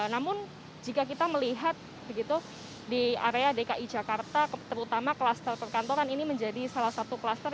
namun jika kita melihat begitu di area dki jakarta terutama kluster perkantoran ini menjadi salah satu kluster